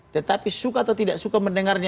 tetapi suka atau tidak suka mendengarnya